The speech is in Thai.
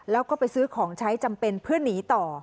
แล้วก็ไปซื้อของใช้จำเป็นเพื่อหนีต่อ